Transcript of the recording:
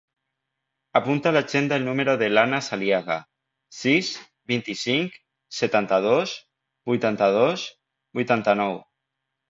Apunta a l'agenda el número de l'Anas Aliaga: sis, vint-i-cinc, setanta-dos, vuitanta-dos, vuitanta-nou.